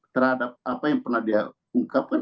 terhadap apa yang pernah dia ungkapkan